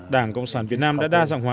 đảng cộng sản việt nam đã đa dạng hóa